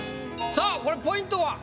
さあこれポイントは？